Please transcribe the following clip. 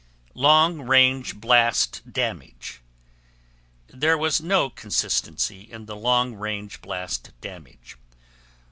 LONG RANGE BLAST DAMAGE There was no consistency in the long range blast damage.